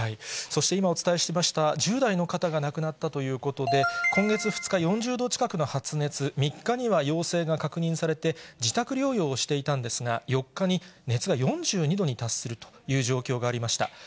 そして今お伝えしました、１０代の方が亡くなったということで、今月２日、４０度近くの発熱、３日には陽性が確認されて、自宅療養をしていたんですが、４日に熱が４２度に達するという状況がありました。